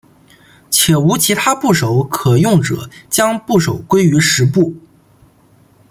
且无其他部首可用者将部首归为石部。